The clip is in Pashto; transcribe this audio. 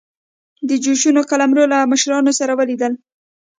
د چوشو قلمرو له مشرانو سره ولیدل.